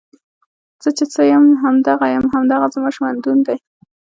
زۀ چې څۀ يم هم دغه يم، هـــم دغه زمـا ژونـد ون دی